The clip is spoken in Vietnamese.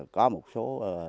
có một số